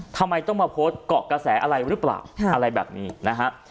ทำไมต้องมาโพสต์เกาะกระแสอะไรหรือเปล่าอะไรแบบนี้นะฮะ